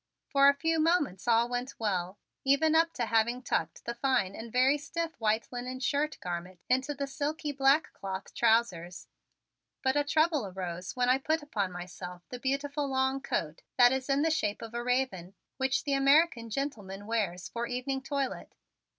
For a few moments all went well, even up to having tucked the fine and very stiff white linen shirt garment into the silky black cloth trousers, but a trouble arose when I put upon myself the beautiful long coat that is in the shape of a raven, which the American gentleman wears for evening toilet.